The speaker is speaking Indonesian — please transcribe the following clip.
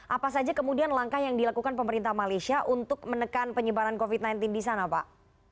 apa saja kemudian langkah yang dilakukan pemerintah malaysia untuk menekan penyebaran covid sembilan belas di sana pak